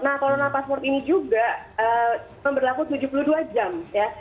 nah corona passport ini juga berlaku tujuh puluh dua jam ya